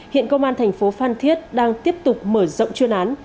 hiện công an thành phố phan thiết đang tiếp tục mở rộng chuyên án